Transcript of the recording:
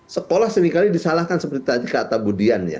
sekolah sering kali disalahkan seperti tadi kata bu dian